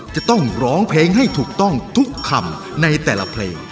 จะต้องร้องเพลงให้ถูกต้องทุกคำในแต่ละเพลง